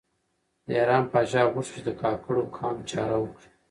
د ایران پاچا غوښتل چې د کاکړو قام چاره وکړي.